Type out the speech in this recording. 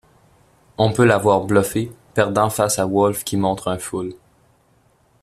On peut la voir bluffer, perdant face à Wolf qui montre un full.